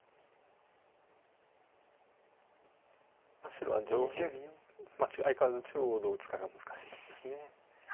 白は上辺相変わらず中央をどう打つかが難しいです。